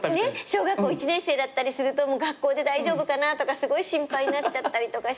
小学校１年生だったりすると学校で大丈夫かなとかすごい心配になっちゃったりとかして。